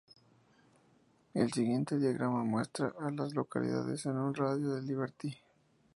El siguiente diagrama muestra a las localidades en un radio de de Liberty.